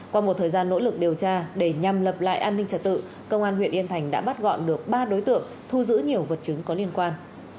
qua một thời gian nỗ lực điều tra để nhằm lập lại an ninh trật tự công an huyện yên thành đã bắt gọn được ba đối tượng thu giữ nhiều vật chứng có liên quan